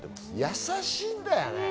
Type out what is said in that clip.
やさしいんだよね。